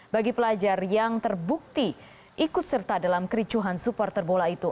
bagi pelajar yang terbukti ikut serta dalam kericuhan supporter bola itu